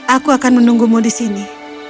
aku akan menunggumu di sini